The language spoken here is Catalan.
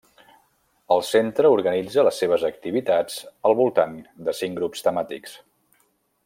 El Centre organitza les seves activitats al voltant de cinc grups temàtics.